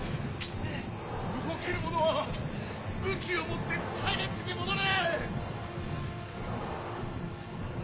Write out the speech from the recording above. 動ける者は武器を持って隊列に戻れ！